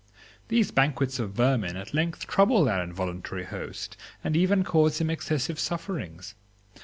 These banquets of vermin at length trouble their involuntary host and even cause him excessive sufferings.